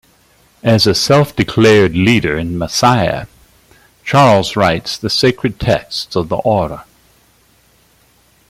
As a self-declared leader and messiah, Charles writes the sacred texts of the Order.